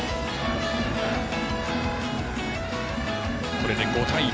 これで５対１。